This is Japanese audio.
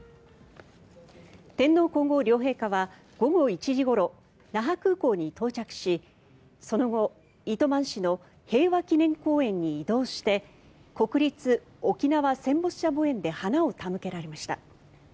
天皇・皇后両陛下は午後１時ごろ、那覇空港に到着しその後、糸満市の平和祈念公園に移動して国立沖縄戦没者墓苑で花を手向けられました。